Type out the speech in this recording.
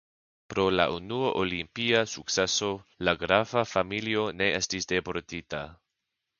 Pro la unua olimpia sukceso la grafa familio ne estis deportita.